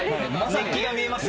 熱気が見えます？